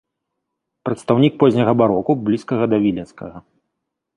Прадстаўнік позняга барока, блізкага да віленскага.